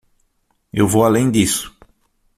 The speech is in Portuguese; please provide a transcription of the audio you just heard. Eu vou além disso.